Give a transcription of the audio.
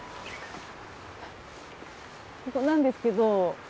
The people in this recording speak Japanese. ここなんですけど。